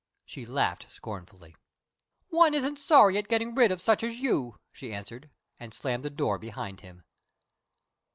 She laughed scornfully. "One isn't sorry at getting rid of such as you," she answered, and slammed the door behind him.